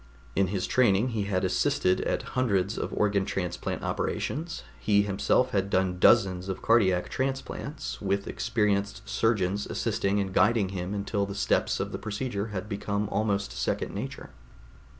In his training he had assisted at hundreds of organ transplant operations; he himself had done dozens of cardiac transplants, with experienced surgeons assisting and guiding him until the steps of the procedure had become almost second nature.